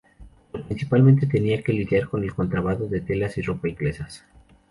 Pero principalmente tenía que lidiar con el contrabando de telas y ropa inglesas.